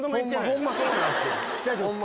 ホンマそうなんですよ。